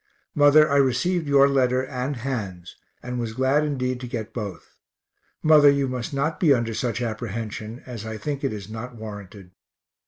Mother, I received your letter and Han's and was glad indeed to get both. Mother, you must not be under such apprehension, as I think it is not warranted.